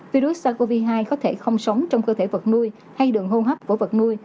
virus sars cov hai có thể không sống trong cơ thể vật nuôi hay đường hô hấp của vật nuôi